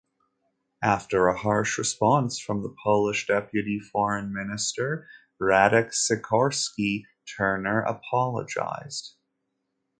After a harsh response from the Polish deputy foreign minister Radek Sikorski, Turner apologized.